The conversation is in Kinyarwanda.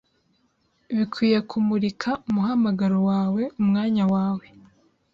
Bikwiye kumurika umuhamagaro wawe umwanya wawe